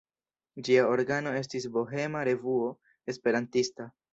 Ĝia organo estis Bohema Revuo Esperantista.